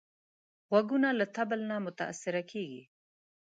غوږونه له طبل نه متاثره کېږي